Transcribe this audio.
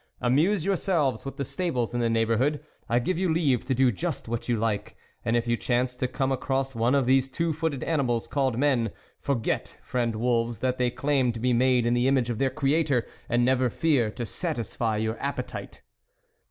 Amuse yourselves with the stables in the neighbourhood, I give you leave to do just what you like ; and if you chance to come across one of those two footed animals, called men, forget, friend wolves, that they claim to be made in the image of their Creator, and never fear to satisfy your appetite."